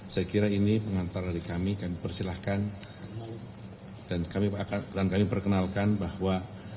saya kira ini pengantar dari kami kami persilahkan dan kami perkenalkan bahwa